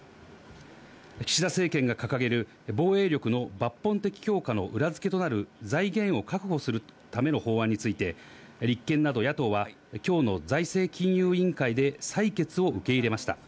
岸田政権が掲げる防衛力の抜本的強化の裏付けとなる財源を確保するための法案について、立憲など野党はきょうの財政金融委員会で採決を受け入れました。